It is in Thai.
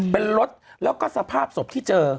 เป็นรถแล้วก็สภาพศพที่เจอ